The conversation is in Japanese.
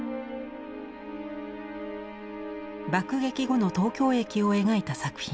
爆撃後の東京駅を描いた作品。